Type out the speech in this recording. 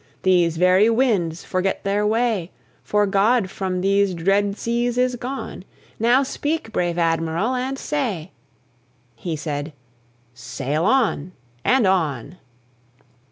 These very winds forget their way, For God from these dread seas is gone. Now speak, brave Admiral, and say " He said: "Sail on! and on!"